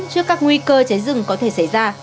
trước các nguy cơ cháy rừng có thể xảy ra